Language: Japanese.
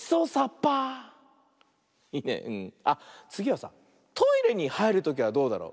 あっつぎはさトイレにはいるときはどうだろう。